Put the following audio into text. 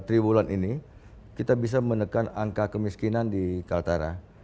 tiga bulan ini kita bisa menekan angka kemiskinan di kaltara